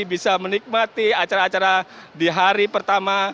bisa menikmati acara acara di hari pertama